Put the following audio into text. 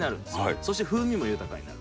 そして風味も豊かになる。